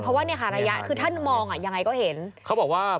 เพราะว่าเนี่ยค่ะระยะคือท่านมองอ่ะยังไงก็เห็นเขาบอกว่า